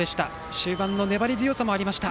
終盤の粘り強さもありました。